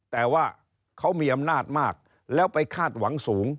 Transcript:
แต่ว่าเขามีอำนาจมากแล้วไปคาดหวังสูง